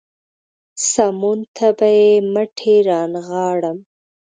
سمون ته به يې مټې رانغاړم.